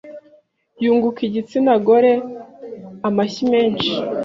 yunguka igitsina gore amashyi menshi